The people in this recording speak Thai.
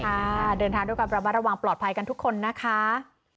ค่ะเดินทางด้วยกับเราระวังปลอดภัยกันทุกคนนะคะ